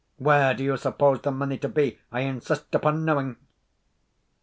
Where do you suppose the money to be? I insist upon knowing."